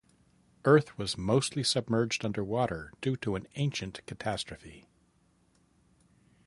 Earth was mostly submerged underwater due to an ancient catastrophe.